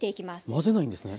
混ぜないんですね。